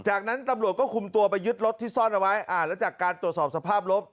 จากนั้นตำรวจก็คุมตัวไปยึดรถที่ซ่อนเอาไว้อ่าแล้วจากการตรวจสอบสภาพรถ